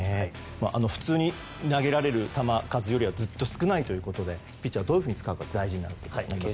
普通に投げられる球数よりずっと少ないということでピッチャーをどういうふうに使うかが大事になってきますね。